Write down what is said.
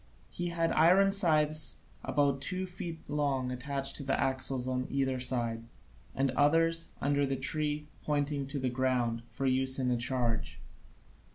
He had iron scythes about two feet long attached to the axles on either side, and others, under the tree, pointing to the ground, for use in a charge.